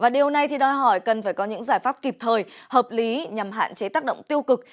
điều này đòi hỏi cần phải có những giải pháp kịp thời hợp lý nhằm hạn chế tác động tiêu cực